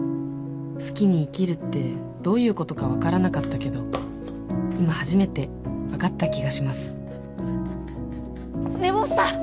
好きに生きるってどういうことか分からなかったけど今初めて分かった気がします寝坊した！